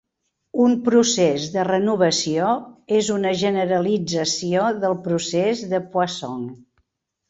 Un procés de renovació és una generalització del procés de Poisson.